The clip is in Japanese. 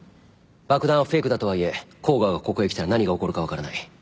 爆弾はフェイクだとはいえ甲賀がここへ来たら何が起こるか分からない。